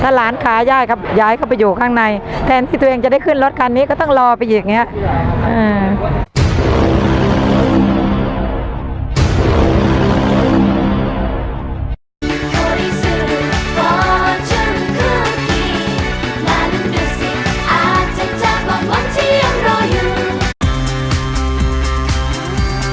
หลานขาย่ายก็ย้ายเข้าไปอยู่ข้างในแทนที่ตัวเองจะได้ขึ้นรถคันนี้ก็ต้องรอไปอีกอย่างนี้